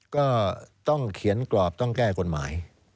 ก็ต้องเขียนกรอบต้องแก้กฎหมาย